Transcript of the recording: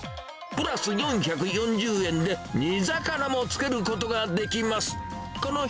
プラス４４０円で煮魚も付けることができます。